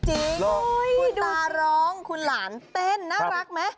คุณตาร้องคุณหลานเต้นน่ารักไหม